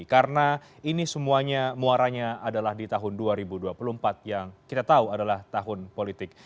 karena ini semuanya muaranya adalah di tahun dua ribu dua puluh empat yang kita tahu adalah tahun politik